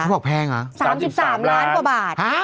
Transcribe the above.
บอกแพงเหรอ๓๓ล้านกว่าบาท